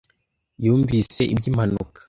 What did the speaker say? Yumvise iby'impanuka.